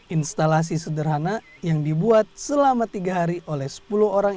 instalasi sederhana yang dibuat selama tiga hari oleh sepuluh orang